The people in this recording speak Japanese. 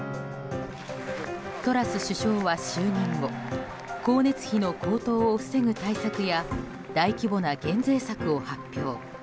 トラス首相は、就任後光熱費の高騰を防ぐ対策や大規模な減税策を発表。